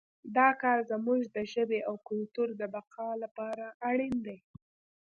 دا کار زموږ د ژبې او کلتور د بقا لپاره اړین دی